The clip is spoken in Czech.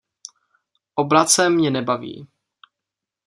Obrace mě nebaví.